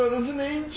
院長。